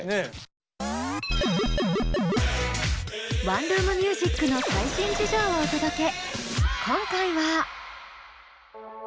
ワンルーム☆ミュージックの最新事情をお届け。